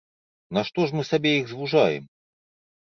Нашто ж мы сабе іх звужаем?